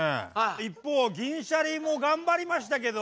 一方銀シャリも頑張りましたけど。